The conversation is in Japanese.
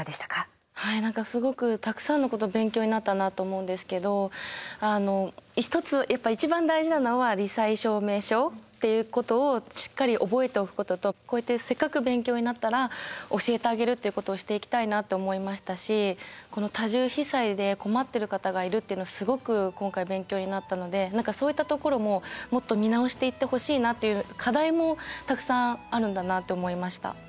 はい何かすごくたくさんのこと勉強になったなと思うんですけど一つやっぱ一番大事なのはこうやってせっかく勉強になったら教えてあげるっていうことをしていきたいなと思いましたしこの多重被災で困ってる方がいるっていうのをすごく今回勉強になったので何かそういったところももっと見直していってほしいなっていう課題もたくさんあるんだなと思いました。